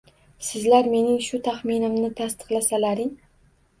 Sizlar mening shu taxminimni tasdiqlasalaring.